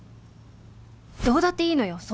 どうだっていいのよ！